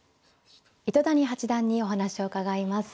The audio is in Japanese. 糸谷八段にお話を伺います。